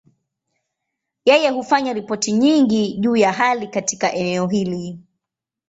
Yeye hufanya ripoti nyingi juu ya hali katika eneo hili.